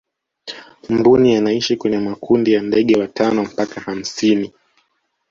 mbuni anaishi kwenye makundi ya ndege watano mpaka hamsini